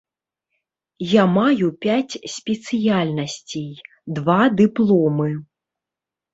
Я маю пяць спецыяльнасцей, два дыпломы.